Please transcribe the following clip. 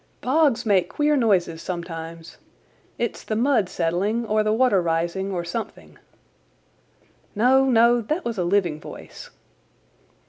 "Bogs make queer noises sometimes. It's the mud settling, or the water rising, or something." "No, no, that was a living voice."